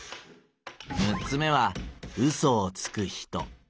六つ目はうそをつく人。